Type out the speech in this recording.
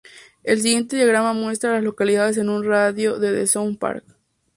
El siguiente diagrama muestra a las localidades en un radio de de South Park.